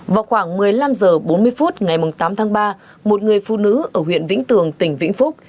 vào khoảng một mươi năm h bốn mươi phút ngày tám tháng ba một người phụ nữ ở huyện vĩnh tường tỉnh vĩnh phúc